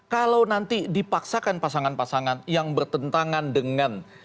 kalau nanti dipaksakan pasangan pasangan yang bertentangan dengan